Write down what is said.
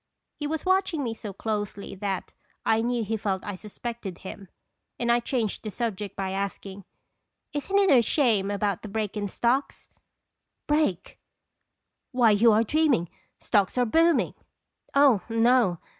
He was watching me so closely that I knew he felt I suspected him, and 1 changed the subject by asking: " Isn't it a shame about the break in stocks?" "Break! Why, you are dreaming. Stocks are booming." " Oh, no.